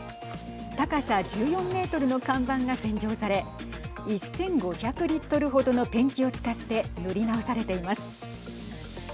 高さ１４メートルの看板が洗浄され１５００リットル程のペンキを使って塗り直されています。